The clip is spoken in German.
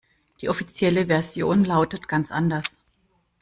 Die offizielle Version lautet ganz anders.